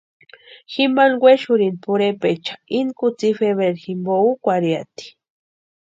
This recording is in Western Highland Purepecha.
Jimpanhi wexurhini pʼurhepecha ini kutsi febrero jimpo úkwarhiati.